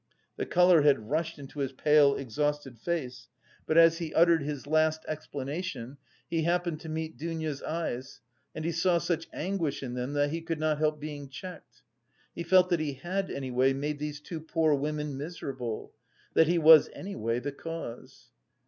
The colour had rushed into his pale exhausted face, but as he uttered his last explanation, he happened to meet Dounia's eyes and he saw such anguish in them that he could not help being checked. He felt that he had, anyway, made these two poor women miserable, that he was, anyway, the cause...